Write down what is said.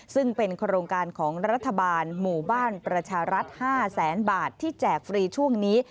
ซึ่งเป็นโครงการของรัฐบาลหมู่บ้านประชารัฐ๕แสนบาทที่แจกฟรีช่วงนี้